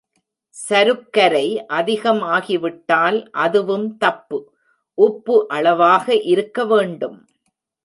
சருக்கரை அதிகம் ஆகிவிட்டால் அதுவும் தப்பு உப்பு அளவாக இருக்க வேண்டும்.